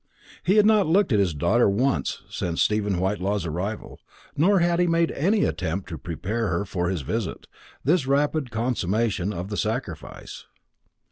He had not looked at his daughter once since Stephen Whitelaw's arrival, nor had he made any attempt to prepare her for this visit, this rapid consummation of the sacrifice.